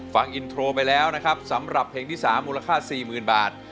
ฟังอินโทรไปแล้วนะครับสำหรับเพลงที่๓มูลค่า๔๐๐๐บาท